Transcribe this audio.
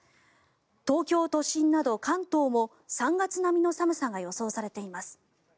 東京都心など関東も３月並みの寒さが予想されています。